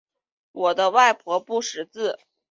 我的外婆不识字